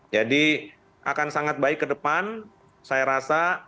jadi akan sangat baik ke depan saya rasa